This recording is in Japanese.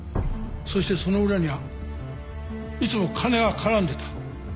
そしてその裏にはいつも金が絡んでた。